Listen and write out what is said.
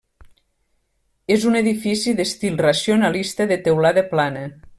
És un edifici d'estil racionalista de teulada plana.